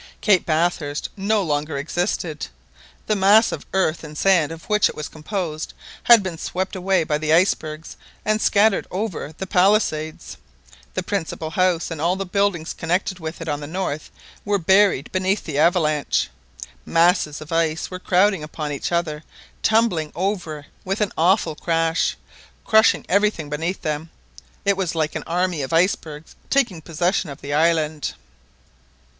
Cape Bathurst no longer existed, the mass of earth and sand of which it was composed had been swept away by the icebergs and scattered over the palisades. The principal house and all the buildings connected with it on the north were buried beneath the avalanche. Masses of ice were crowding upon each other and tumbling over with an awful crash, crushing everything beneath them. It was like an army of icebergs taking possession of the island.